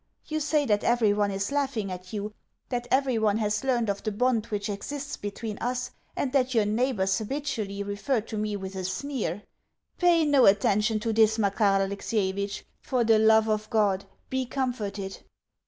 You say that everyone is laughing at you, that every one has learnt of the bond which exists between us, and that your neighbours habitually refer to me with a sneer. Pay no attention to this, Makar Alexievitch; for the love of God, be comforted.